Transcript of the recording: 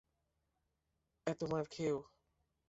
এত মার খেয়েও!